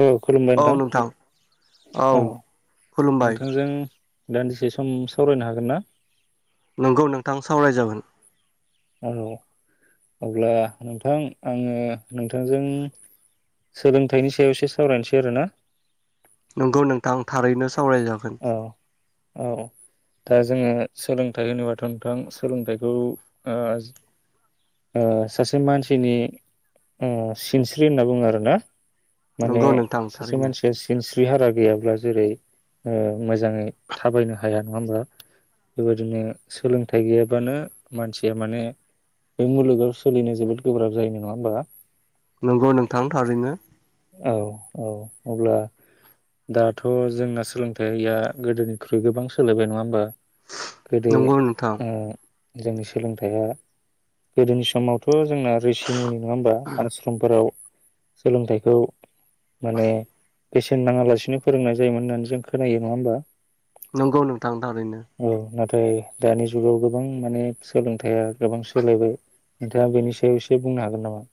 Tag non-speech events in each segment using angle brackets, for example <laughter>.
औ खुलुमबाय नोंथां औ खुलुमबाय नोंथांजों दान्दिसे सम सावरायनो हागोन ना? नंगौ नोंथां सावराय जागोन। औ अब्ला नोंथां आङो नोंथांजों सोलोंथाइनि सायाव इसे सावरायनोसै आरोना। नंगौ नों थां थारैनो सावरायजागोन। औ औ दा जोंङो सोलोंथाइ होनोबाथ नोंथां सोलोंथाइखौ ओ सासे मानसिनि ओ सिनस्रि होनना बुङो आरोना। माने नंगौ नोंथां सासे थारैनो मानसिया सिनस्रि। सिनस्रि हारा गैयाब्ला जेरै। औ। मोजाङै थाबायनो हाया। नङा होमबा बेबायदिनो सोलोंथाइ गैयाबानो मानसिया माने बे मुलुगाव सोलिनो जोबोद गोब्राब जायो नङा होमबा। नंगौ नोंथां थारैनो। औ औ अब्ला दाथ जोंना सोलोंथाइया गोदोनिख्रुइ गोबां सोलायबाय नङा होमबा। गोदो नंगौ नोंथां ओ जोंनि सोलोंथाइया गोदोनि समावथ। जोंना रिसिमुनि नङा होमबा आस्रमफोराव। सोलोंथाइखौ माने बेसेन नाङालासिनो फोरोंनाय। जायोमोन होननानै जों खोनायो नङा होमबा। नंगौ नोंथां थारैनो। औ नाथाय दानि जुगाव गोबां माने सोलोंथाइया गोबां सोलायबाय नोंथाङा बेनि सायाव एसे बुंनो हागोन नामा।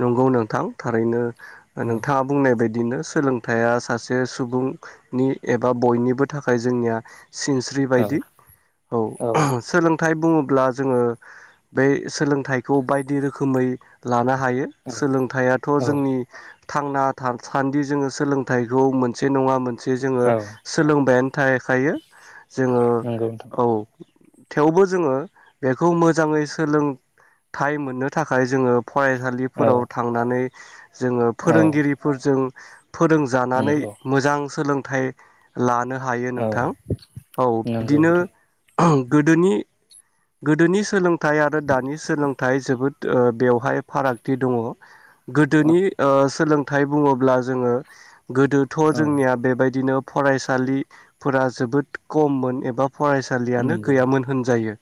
नंगौ नोंथां थारैनो। औ नोंथाङा बुंनाय बायदि। बिदिनो सोलोंथाइया सासे सुबुंनि एबा बयनिबो थाखाय जोंनिया सिनस्रि बायदि औ सोलों थाय बुङोब्ला जोङो बे सोलोंथाइखौ बायदि रोखोम खोमै लाना हायो औ सोलोंथाइ आथ' जोंनि थांना थासान्दि जोङो सोलोंथाइखौ मोनसे नङामोन मोनसे जोङो औ औ सोलोंबायानो थाहैखायो जोङो नंगौ नोंथां औ थेवबो जोङो बेखौ मोजाङै सोलोंथाइ मोननो थाखाय जोङो औ फरायसालिफोराव थांनानै जोङो फोरोंगिरिफोरजों फोरोंजानानै नंगौ मोजां सोलों थाइ लानो हायो औ नोंथां औ नंगौ बिदिनो नोंथां गोदोनि गोदोनि सोलोंथाइ आरो दानि सोलोंथाइ जोबोद ओ बेवहाय फारागथि दङ' औ गोदोनि ओ सोलों थाय बुङोब्ला जोङो गोदोथ' औ जोंनिया बेबायदिनो फरायसालिफोरा जोबोद खममोन एबा फरायसालियानो नंगौ गैयामोन होनजायो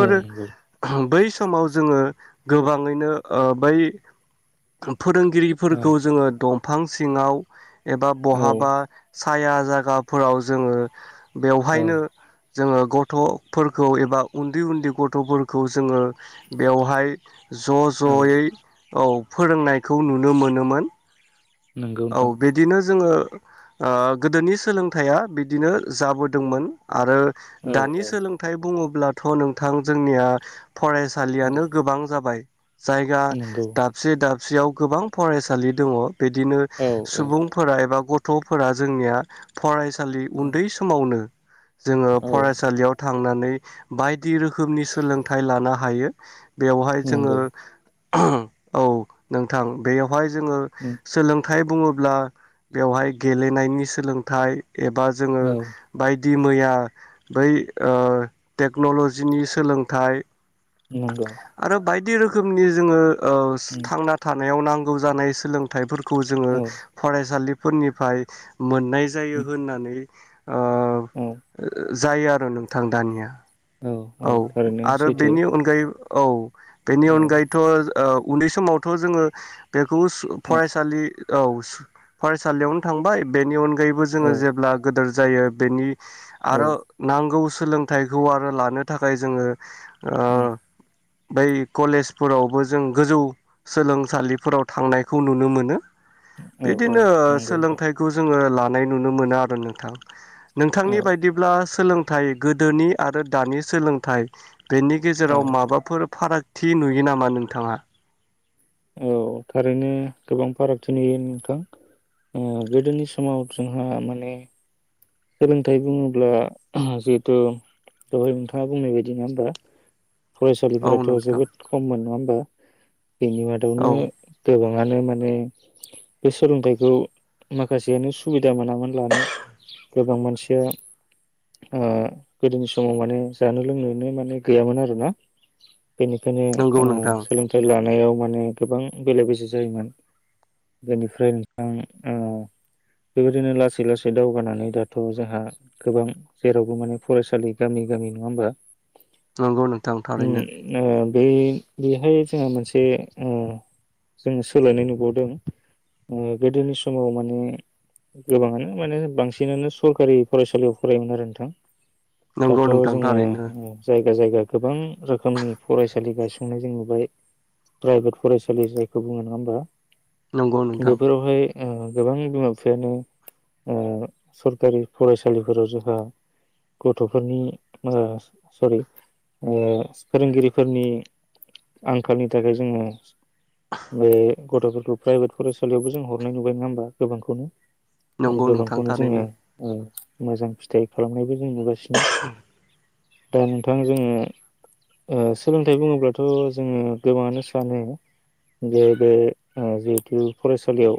औ नंगौ बै समाव जोङो गोबाङैनो ओ बै ओ फोरोंगिरिफोरखौ जोंङो दं फां सिङाव एबा औ बहाबा साया जागाफोराव जोंङो औ बेवहायनो जोंङो गथ'फोरखौ एबा उन्दै-उन्दै गथ'फोरखौ जोंङो बेवहाय <inaudible> ज' औ ज'यै औ फोरोंनायखौ नुनो मोनोमोन। नंगौ औ नोंथां बिदिनो जोंङो ओ गोदोनि सोलोंथाइया बिदिनो जाबोदोंमोन। आरो औ औ दानि सोलोंथाइ बुंङोब्ला थ नोंथां जोंनिया औ फरायसालियानो गोबां जाबाय जायगा नंगौ दाबसे-दाब सियाव गोबां फरायसालि दंङ बिदि औ औ सुबुंफोरा एबा ग थफोरा जोंनिया फराय सालि औ उन्दै समावनो जोंङो फरायसालियाव थाब थांनानै बायदि रोखोमनि सोलोंथाइ लानो हायो। बेवहाय जोंङो नंगौ औ नोंथां बेयाव हाय जोंङो औ सोलों थाय बुङोब्ला बेवहाय गेलेनायनि सोलोंथाइ एबा जोंङो बाय दि मैया बै ओ टेक्नलजिनि सोलोंथाइ नंगौ आरो बायदि रो खोमनि जोंङो औ थांना था नायाव नांगौ जानाय सोलोंथायफोर खौ जोंङो फरायसालि फोरनिफाय मोननाय जायो होननानै ओ औ जायो आरो नोंथां दानिया औ आरो बेनि अनगायै औ बेनि औ अनगायैथ ज ओ‌ उन्दै समावथ जोङो बेखौ हुस औ फरायसा सालि औ फरायसालियावनो थांबाय बेनि अनगा अनगायैबो औ जोङो जेब्ला गोदोर जायो बेनि औ आरो नांगौ स सोलोंथाइखौ आरो लानो थाखाय जोङो <inaudible> बै कलेजफोरावबो जों गोजौ सोलोंसालिफोराव थांनायखौ नुनो मोन <unintelligible> औ औ बिदिनो नंगौ नोंथां सोलोंथाइखौ जोङो ला <unintelligible> नुनो मोनो आरो नोंथां औ नोंथांनि बायदिब्ला सोलोंथाइ गोदोनि आरो दानि सोलोंथाइ बेनि औ गेजेराव माबाफोर फारागथि नुयो नामा नोंथाङा औ थारैनो गोबां फारागथि नुयो नोंथां ओ गोदोनि समाव जोंहा माने सोलोंथाइ बुङोब्ला <unintelligible> जिहेथु दहाय नोंथाङा बुंनाय बायदि नङा होमबा औ फरायसालिफोराथ' नोंथां जोबोद खममोन नङा होमबा बिनि औ मादावनो गोबां मानो माने बे सोलोंथाइखौ माखासेयानो सुबिदा मोनामोन लानो गोबां मानसिया ओ गोदोनि समाव माने जानो लोंनोनो माने गैयामोन आरो <unintelligible> बेनिखायनो नंगौ ओ नोंथां सोलोंथाइ ला थांनायाव माने गोबां बेले बेजे जायोमोन बेनिफ्राय नोंथां ओ बेबायदिनो लासै लासै दावगानानै दाथ' जोंहा गोबां जेरावबो माने फरायसालि गामि गामि नङा होमबा नंगौ नों <unintelligible> बे बेहाय जोंहा मोनसे उम जोङो सोलायनाय नुबावदों गोदोनि समाव माने गोबाङानो माने बांसिनानो सरखारि फरायसालियाव फरायोमोन आरो नोंथां नंगौ दाथ' नोंथां जोङो थारैनो जाय बे जायगा गोबां रोखोमनि फरायसालि गायसंनाय जों नुबाय प्राइभेट फरायसालि जायखौ बुङो नङा होमबा? नंगौ नोंथां । बेफोरावहाय ओ गोबां बिमा बिफायानो ओ सरखारि फरायसालिफोराव जोंहा गथ'फोरनि <unintelligible> सरि <unintelligible> फोरोंगिरिफोरनि आंखालनि थाखाय जोङो बे गथ'फोरखौ प्राइभेट फरायसालियावबो जों हरनाय नुबाय नङा होमबा गोबांखौनो । आरो नंगौ नोंथां गोबांखौनो जोङो थारैनो ओ मोजां फिथाइ खालामनायबो <unintelligible> नुगासिनो । दा नोंथां जोङो ओ सोलोंथाइ बुङोब्लाथ' जोङो गोबाङानो सानो जे बे ओ जिहेथु फरायसालियाव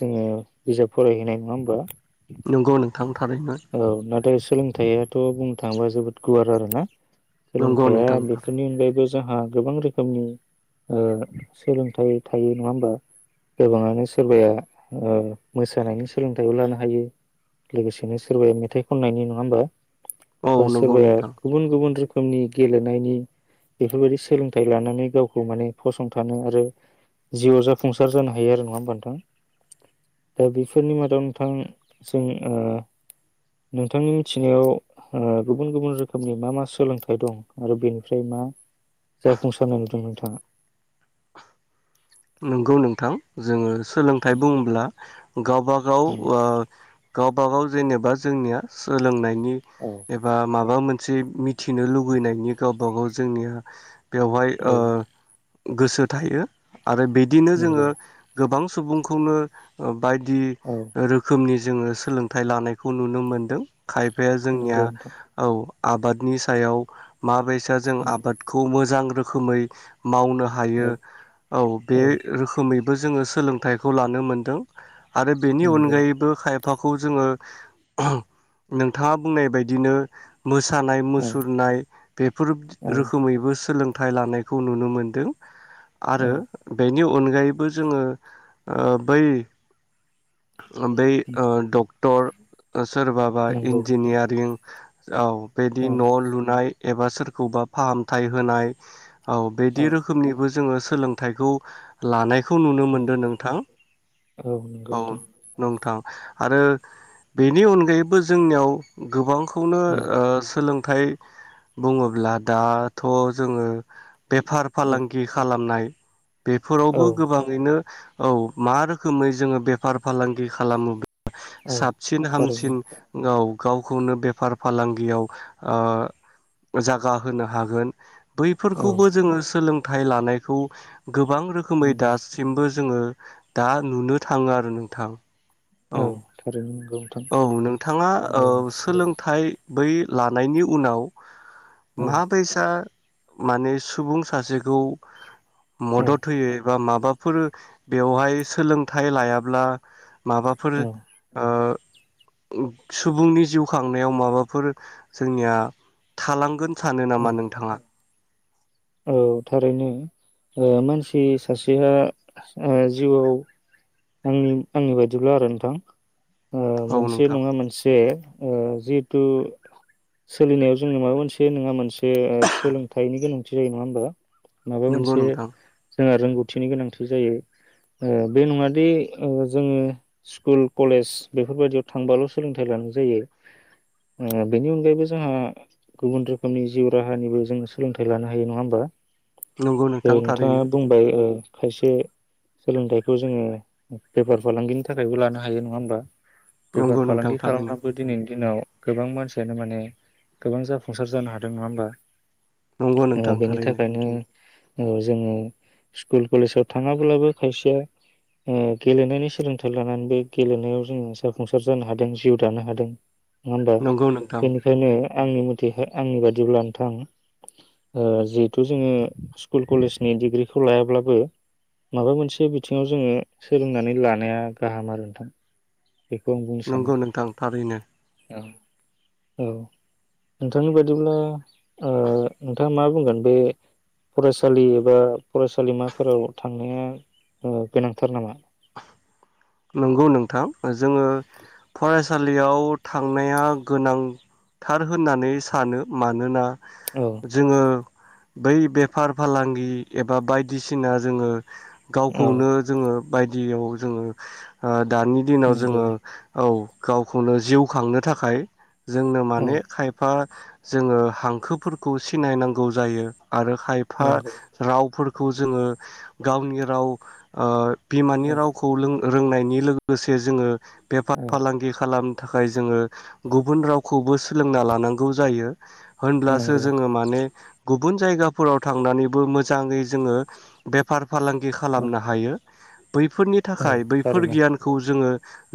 जोङो बिजाब फरायहैनाय नङा होमबा? नंगौ नोंथां थारैनो । सोलोंथायाथ' बुंनो थाङोबा जोबोद गुवार आरोना? नंगौ सोलोंथायाइा नोंथां थारैनो बेफोरनि अनगायैबो जोंहा गोबां रोखोमनि ओ सोलोंथाइ थायो नङा होमबा गोबाङानो सोरबाया मोसानायनि सोलोंथाइबो लानो हायो लोगोसेनो सोरबाया मेथाइ खननायनि नङा होमबा? औ बा नंगौ सोरबाया नोंथां गुबुन गुबुन रोखो रोखोमनि गेलेनायनि बेफोरबायदि सोलोंथाइ लानानै गावखौ माने फसंथानो आरो जिउआव जाफुंसार जानो हायो आरो नङा होमबा नोंथां ओ बेफोरनि मादाव नोंथां जों नोंथांनि मिथिनायाव गुबुन गुबुन रोखोमनि मा मा सोलोंथाइ आरो दं आरो बेनिफ्राय मा? जाफुंसारनाय <unintelligible> <unintelligible> नंगौ नोंथां जोङो सोलोंथाइ बुङोब्ला गावबागाव ओ गाव <unintelligible> जेनेबा जोंनिया सोलोंनायनि औ एबा माबा मोन मोनसे मिथिनो लुबैनायनि गावब गाव जोंनिया बेवहाय ओ औ गोसो थायो । आरो बिदिनो जोङो नंगौ गोबां सुबुंखौनो बायदि औ रोखोमनि जोङो सोलोंथाइ लानायखौ नुनो मोनदों । खायफाया जोंनिया नंगौ नोंथां औ । आबादनि सायाव माबायसा जों आबादखौ मोजां रोखोमै मावनो औ हायो औ बे रोखोमै बो जोङो सोलोंथाइखौ लानो मोनदों आरो बेनि नंगौ अनगायैबो खाय फाखौ जोङो नोंथाङा बुंनाय बायदिनो मोसानाय औ मुसुरनाय बेफोर औ रोखोमैबो सोलों थाय लानायखौ नुनो मोनदों औ आरो बेनि अनगायैबो जोङो बै बै ओ <unintelligible> सोरबाबा नंगौ नोंथां इन्जिनियारिं औ बेदि औ न' लुनाय एबा सोरखौबा फाहामथाय होनाय औ बेदि औ रोखोमनिबो जोङो सोलों थाइखौ लानाय खौ नुनो मोनदों नंगौ नोंथां नंगौ औ नोंथां नोंथां आरो बेनि अनगायैबो जोंनियाव गोबां खौनो औ ओ सोलों ओमफ्राय बुङोब्ला दाथ' जोङो बेफार औ फालांगि खालामनाय औ बेफोरावबो गोबाङैनो औ मा रोखोमै जोङो बेफार फालांगि खालामोब्ला औ साबसिन थारैनो हामसिन गाव गावखौनो बेफार फालांगियाव ओ जागा होनो हागोन औ बैफोरखौबो जोङो सोलों थाय लानायखौ गोबां रोखोमै नंगौ दासिमबो जोङो दा नुनो थाङो आरो नोंथां औ थारैनो नंगौ नोंथां औ नोंथाङा औ सोलोंथाइ बै लानायनि उनाव औ महाबैसा माने सुबुं सासेखौ औ मदद होयो एबा माबा फोर बेवहाय सोलोंथाइ लायाब्ला माबाफोर ओ सुबुंनि जिउ खांनायाव माबाफोर जोंनिया थालांगोन सानो औ नामा नोंथाङा औ थारैनो मानसि सासेया जिउआव आंनि आंनि बायदिब्ला आरो नोंथां ओ औ मोनसे नोंथां नङा मोनसे ओ जिहेथु सोलिनायाव जोंनि माबा मोनसे नङा मोनसे जे सोलोंथाइनि गोनांथि जिरि नङा होमबा माबा नंगौ मोनसे नोंथां जोंहा रोंगौ थिनि गोनांथि जायो ओह बे नङा दि ओह जोङो स्कुल कलेज बेफोरबायदियाव थांबाल' सोलोंथाइ लानाय जायो ओह बेनि अनगायैबो जोंहा गुबुन रोखोमनि जिउ राहानिबो जोङो सोलोंथाइ लानो हायो नङा होमबा नंगौ नोइ नोंथां नोंथाङा थारैनो बुंबाय ओह खायसे सोलोंथाइखौ जोङो बेफार फालांगिनि थाखायबो लानो हायो नङा होमबा बेफार नंगौ नोंथां फालांगि थारैनो खालामहाबो दिनै दिनाव गोबां मानसियानो माने गोबां जाफुंसार जानो हादों नङा होमबा नंगौ नोंथां थारैनो ओह जोङो स्कुल कलेजाव थाङाब्लाबो खायसेया ओह गेलेनायनि सोलोंथाइ लानानै बे गेलेनायाव जोङो जाफुंसार जानो हादों जिउ दानो हादों नङा होमबा नंगौ नोंथां बेनिखायनो आंनि मथेहाय आंनि बादिब्ला नोंथां ओह जिहेथु जोङो स्कुल कलेजनि डिग्रिखौ लायाब्लाबो माबा मोनसे बिथिङाव जोङो सोलोंनानै लानाया गाहाम आरो नोंथां बेखौ आं बुंनो सानो नंगौ नोंथां थारैनो औ नोंथांनि बादिब्ला ओह नोंथाङा मा बुंगोन बै फरायसालि एबा फरायसालिमाफोराव फोर नामा नंगौ नोंथां ओज जोङो फरेस्ट सालियाव थांनाया गोनांथार होननानै सानो मानोना औ जोङो बै बेफार फालांगि एबा बायदिसिना जोङो औ गावखौनो जोङो बायदियाव जोङो ओ । दानि दिनाव नंगौ जोङो औ गावखौनो जिउ खांनो थाखाय जोंनो औ माने खायफा जोङो हांखोफोरखौ सिनायनांगौ जायो । आरो खायफा नंगौ रावफोर खौ जोङो गावनि राव ओह बिमानि औ रावखौ लों रोंनायनि लोगोसे जोङो बेफार औ फालांगि खालाम थाखाय जोङो गुबुन रावखौबो सोलोंना लानांगौ जायो । होनब्लासो नंगौ जोङो माने गुबुन जायगाफोराव थांनानैबो मोजाङै जोङो बेफार फालांगि औ खालामनो हायो । बैफोरनि थाखाय औ थाखाय बैफोर थारैनो गियानखौ जोङो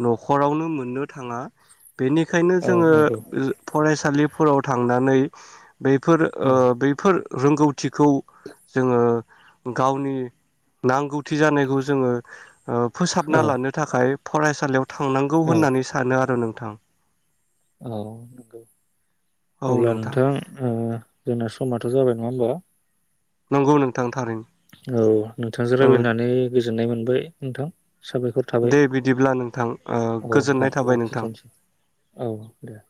नख'रावनो मोननो थाङा । बेनिखायनो औ जोङो नंगौ ज फरायसालिफोराव थांनानै बैफोर औ ओ बैफोर रोंगौथिखौ जोङो गावनि नांगौथि जानायखौ जोङो ओ फोसाबना औ लानो थाखाय फरायसालियाव थांनांगौ औ होननानै सानो आरो नों । थां औ नंगौ अब्ला नोंथां ओ जोंना स समाथ' जाबाय नङा होमबा? नंगौ नोंथां । औ नोंथांजों रायज्लायनानै गोस गोजोननाय मोनबाय नोंथां । साबायखर थाबाय दे बिदिब्ला नोंथां ओ औ गोजोननाय नोंथां थाबाय नोंथां लाखिथ'नोसै औ दे ।